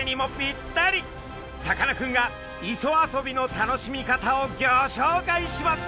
さかなクンが磯遊びの楽しみ方をギョしょうかいします！